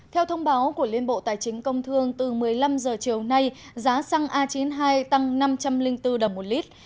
theo thông báo của liên bộ tài chính công thương từ một mươi năm h chiều nay giá xăng a chín mươi hai tăng năm trăm linh bốn đồng một lít